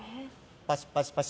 「パシパシパシ。